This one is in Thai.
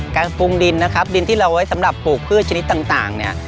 การปรุงดินนะครับดินที่เราไว้สำหรับปลูกพืชชนิดต่างเนี่ย